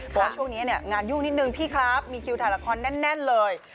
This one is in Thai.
บอกว่าช่วงนี้เนี่ยงานยุ่งนิดนึงพี่ครับมีคิวถ่ายละครแน่นเลย